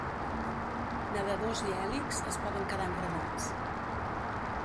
Nadadors i hèlix es poden quedar enredats.